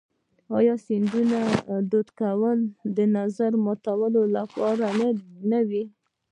آیا د سپند دود کول د نظر ماتولو لپاره نه وي؟